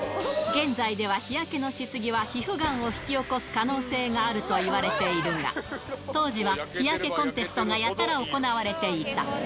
現在では、日焼けのし過ぎは、皮膚がんを引き起こす可能性があるといわれているが、当時は日焼けコンテストがやたら行われていた。